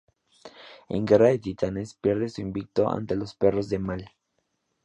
En Guerra de Titanes, pierden su invicto ante los Perros de Mal.